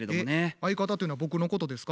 相方っていうのは僕のことですか？